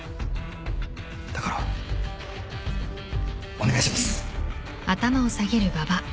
だからお願いします。